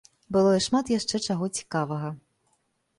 Было і шмат яшчэ чаго цікавага.